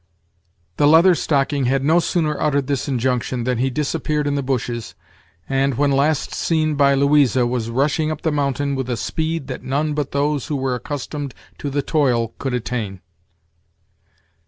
The Leather Stocking had no sooner uttered this injunction, than he disappeared in the bushes, and, when last seen by Louisa, was rushing up the mountain, with a speed that none but those who were accustomed to the toil could attain.